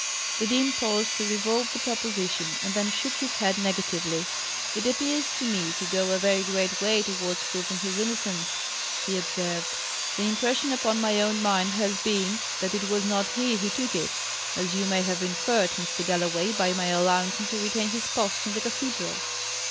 The dean paused to revolve the proposition, and then shook his head negatively. "It appears to me to go a very great way towards proving his innocence," he observed. "The impression upon my own mind has been, that it was not he who took it as you may have inferred, Mr. Galloway, by my allowing him to retain his post in the cathedral."